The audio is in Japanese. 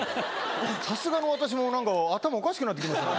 さすがの私もなんか頭おかしくなってきましたね。